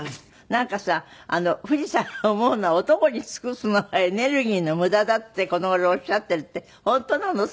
なんかさ冨士さんが思うのは男に尽くすのはエネルギーの無駄だってこの頃おっしゃっているって本当なの？